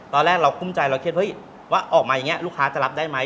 ตอนแรกเราคุ้มใจเราเครียดเฮ้ยว่าออกมาอย่างนี้ลูกค้าจะรับได้ไหม